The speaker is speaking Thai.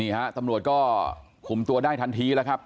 ฮะตำรวจก็คุมตัวได้ทันทีแล้วครับ